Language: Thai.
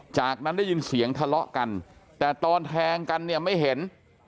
จากนั้นได้ยินเสียงทะเลาะกันแต่ตอนแทงกันเนี่ยไม่เห็น